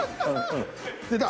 出た。